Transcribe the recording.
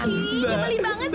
ih nyebelin banget sih